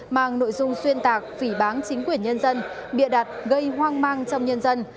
mang nội dung xuyên tạc phỉ bán chính quyền nhân dân bịa đặt gây hoang mang trong nhân dân